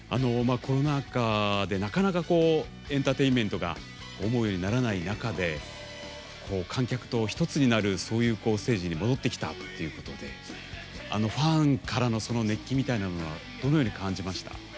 コロナ禍でなかなかエンターテインメントが思うようにならない中で観客と一つになるそういうステージに戻ってきたということであのファンからの熱気みたいなのはどのように感じました？